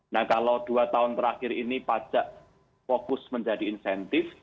nah kalau dua tahun terakhir ini pajak fokus menjadi insentif